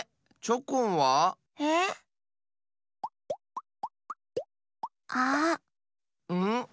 チョコンは？えっ？あっ！